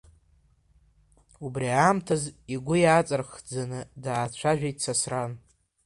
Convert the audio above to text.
Убри аамҭаз игәы иааҵырххӡаны даацәажәеит Сасран.